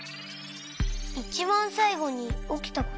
いちばんさいごにおきたこと？